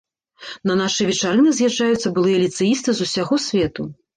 На нашы вечарыны з'язджаюцца былыя ліцэісты з усяго свету.